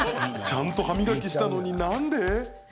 ちゃんと歯磨きしたのになんで？